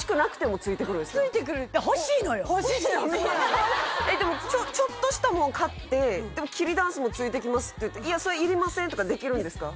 ついてくる欲しいのでもちょっとしたもん買ってでも桐ダンスもついてきますっていっていやそれいりませんとかできるんですか？